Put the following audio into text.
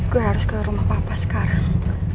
gue harus ke rumah papa sekarang